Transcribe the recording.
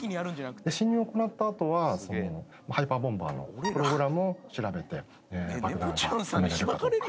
で侵入を行った後はハイパーボンバーのプログラムを調べて爆弾が止められるかどうか。